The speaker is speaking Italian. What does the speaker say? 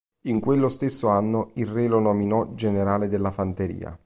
In quello stesso anno il re lo nominò generale della fanteria.